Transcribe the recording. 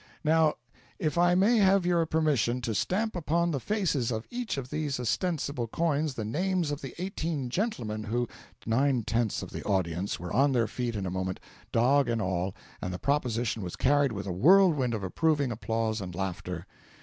Now if I may have your permission to stamp upon the faces of each of these ostensible coins the names of the eighteen gentlemen who " Nine tenths of the audience were on their feet in a moment dog and all and the proposition was carried with a whirlwind of approving applause and laughter.